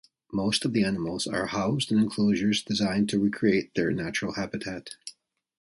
Most of the animals are housed in enclosures designed to recreate their natural habitat.